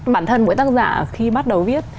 bản thân mỗi tác giả khi bắt đầu viết